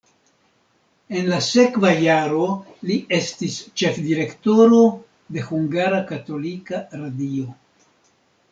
En la sekva jaro li estis ĉefdirektoro de Hungara Katolika Radio.